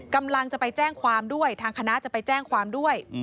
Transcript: กำลังจะไปแจ้งความด้วยทางคณะจะไปแจ้งความด้วย